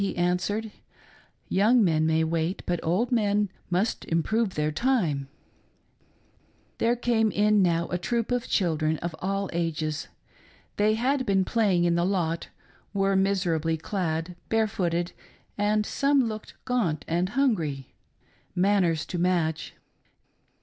'" he answered, " Young men may wait, but old men must improve thei* time," There came in now a troop of children of all ages. They had, been playing in the lot, were miserably clad, bare footed, and some looked gaunt and hungry: — manners to match.